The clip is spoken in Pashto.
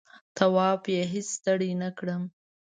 طواف یې هېڅ ستړی نه کړم.